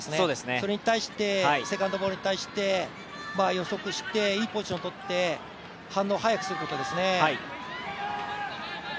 それに対してセカンドボールに対して予測していいポジション取って、反応早くすることですね。